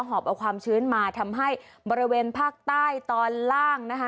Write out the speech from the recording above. อบเอาความชื้นมาทำให้บริเวณภาคใต้ตอนล่างนะคะ